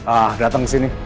ah datang ke sini